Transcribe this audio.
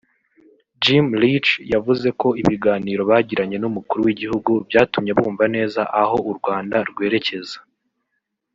Jim Leech yavuze ko ibiganiro bagiranye n’Umukuru w’igihugu byatumye bumva neza aho u Rwanda rwerekeza